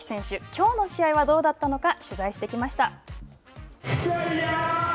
きょうの試合はどうだったのか、取材してきました。